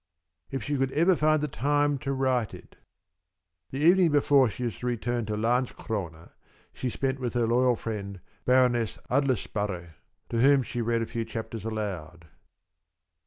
If she could ever find time to write it! The evening before she was to return to Landskrona, she spent with her loyal friend, Baroness Adlersparre, to whom she read a few chapters aloud.